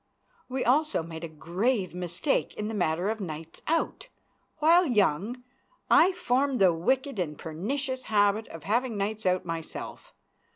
We also made a grave mistake in the matter of nights out. While young, I formed the wicked and pernicious habit of having nights out myself.